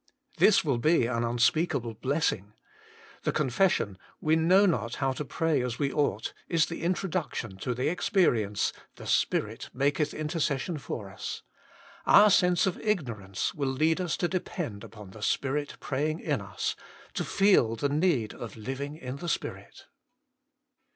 This will be an unspeakable blessing. The confession, " We know not how to pray as we ought," is the introduction to the experience, " The Spirit maketh intercession for us" our sense of ignorance will lead us to depend upon the Spirit praying in us, to feel the need of living in the Spirit.